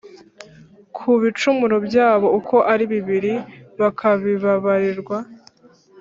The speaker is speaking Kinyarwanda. ku bicumuro byabo uko ari bibiri bakabibabarirwa